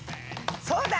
そうだ！